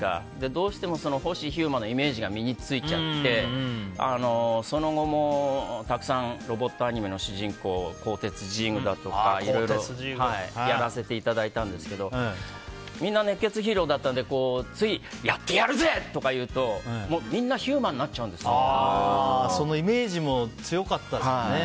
どうしても星飛雄馬のイメージが身に着いちゃってその後もたくさんロボットアニメの主人公「鋼鉄ジーグ」とかいろいろとやらせていただいたんですけどみんな熱血ヒーローだったんでつい、やってやるぜ！とか言うとみんな飛雄馬にそのイメージも強かったですよね。